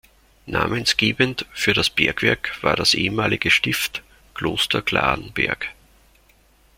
Namensgebend für das Bergwerk war das ehemalige Stift Kloster Clarenberg.